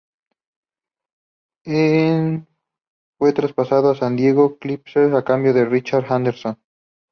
En fue traspasado a San Diego Clippers a cambio de Richard Anderson.